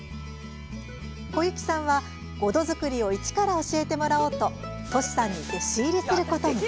小雪さんは、ごど作りを一から教えてもらおうととしさんに弟子入りすることに。